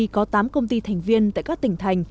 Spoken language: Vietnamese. có tám công ty thành viên tại các tỉnh thành